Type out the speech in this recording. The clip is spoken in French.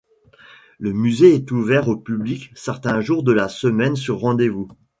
Le musée est ouvert au public certains jours de la semaine, sur rendez-vous.